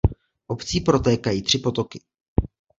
Obcí protékají tři potoky.